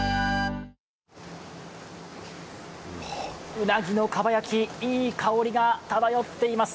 うなぎのかば焼き、いい香りが漂っています。